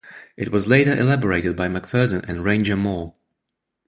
It was later elaborated by McPherson and Ranger-Moore.